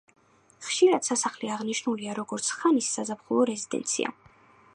ხშირად, სასახლე აღნიშნულია, როგორც ხანის საზაფხულო რეზიდენცია.